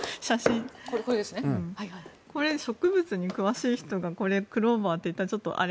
これ、植物に詳しい人がクローバーって言ったらあれ？